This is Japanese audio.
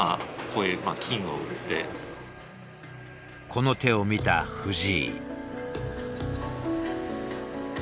この手を見た藤井。